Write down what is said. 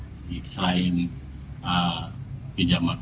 selain pinjaman uang itu dari mana